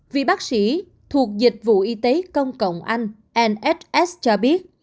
vì bác sĩ thuộc dịch vụ y tế công cộng anh nhs cho biết